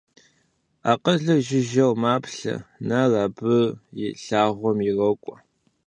Акъылыр жыжьэу маплъэ, нэр абы и лъагъуэм ирокӏуэ.